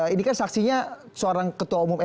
ini kan saksinya seorang ketua umum